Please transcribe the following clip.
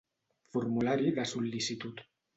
Formulari de sol·licitud.